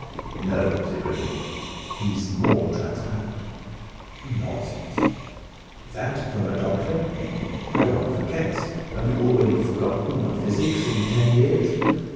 "No," said Griffin. "He's more transparent!" "Nonsense!" "That from a doctor! How one forgets! Have you already forgotten your physics, in ten years?